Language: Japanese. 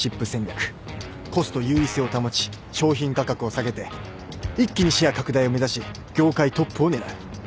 コスト優位性を保ち商品価格を下げて一気にシェア拡大を目指し業界トップを狙う。